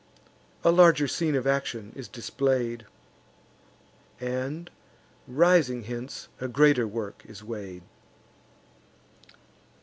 A larger scene of action is display'd; And, rising hence, a greater work is weigh'd.